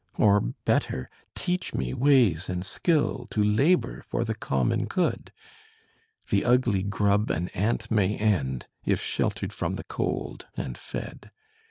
Or better, teach me ways and skill To labor for the common good? The ugly grub an ant may end, If sheltered from the cold and fed.